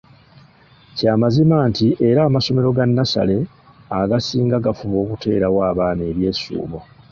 Kya mazima nti era amasomero ga nnasale agasinga gafuba okuteerawo abaana ebyesuubo.